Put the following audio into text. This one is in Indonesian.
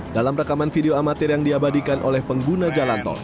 dalam rekaman video amatir yang diabadikan oleh pengguna jalan tol